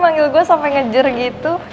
manggil gue sampe ngejer gitu